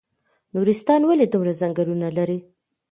نورستان ولې دومره ځنګلونه لري؟